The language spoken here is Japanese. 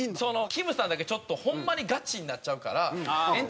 きむさんだけちょっとホンマにガチになっちゃうから。